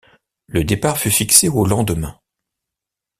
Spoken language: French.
Le départ fut fixé au lendemain.